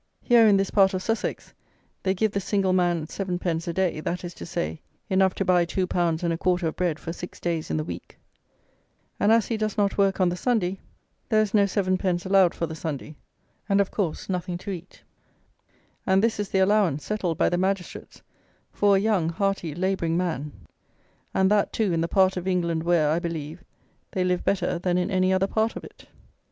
Here, in this part of Sussex, they give the single man seven pence a day, that is to say, enough to buy two pounds and a quarter of bread for six days in the week, and as he does not work on the Sunday there is no seven pence allowed for the Sunday, and of course nothing to eat: and this is the allowance, settled by the magistrates, for a young, hearty, labouring man; and that, too, in the part of England where, I believe, they live better than in any other part of it.